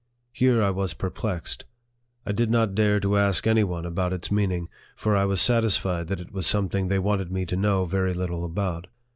Here I was perplexed. I did not dare to ask any one about its meaning, for I was satisfied that it was something they wanted me to know very little about.